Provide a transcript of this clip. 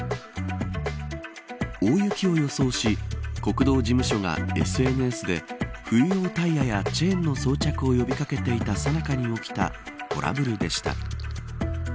大雪を予想し国道事務所が、ＳＮＳで冬用タイヤやチェーンの装着を呼び掛けていた、さなかに起きたトラブルでした。